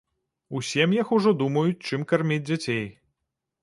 У сем'ях ужо думаюць, чым карміць дзяцей.